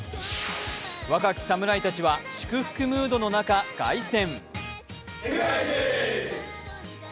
若き侍たちは祝福ムードの中、凱旋。